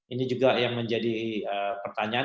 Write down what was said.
ini juga yang menjadi pertanyaan